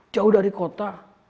jauh dari kota